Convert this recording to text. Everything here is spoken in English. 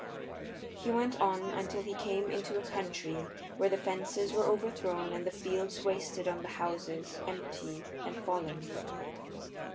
He went on until he came into a country where the fences were overthrown and the fields wasted and the houses empty and fallen.